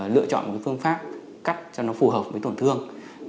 lựa chọn một phương pháp cắt cho nó phù hợp với tổn thương